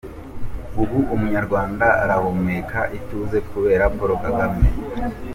Ubu Umunyarwanda arahumeka ituze kubera Paul Kagame .